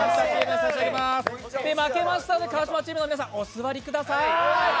負けました川島チームの皆さんお座りください。